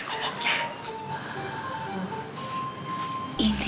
tau tipe gue bangun